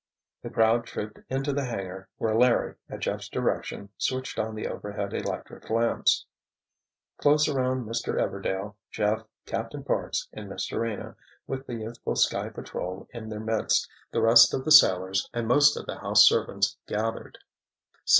The crowd trooped into the hangar, where Larry, at Jeff's direction, switched on the overhead electric lamps. Close around Mr. Everdail, Jeff, Captain Parks and Miss Serena, with the youthful Sky Patrol in their midst, the rest of the sailors, and most of the house servants gathered.